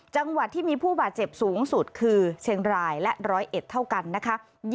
จังหวัดที่มีผู้บาดเจ็บสูงสุดคือเชียงรายและ๑๐๑เท่ากันนะคะ